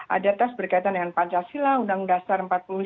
ada tes berkaitan dengan pancasila undang dasar empat puluh lima